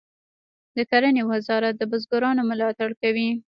د کرنې وزارت د بزګرانو ملاتړ کوي